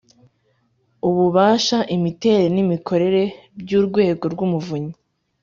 ububasha, imiterere n’imikorere by'urwego rw'umuvunyi,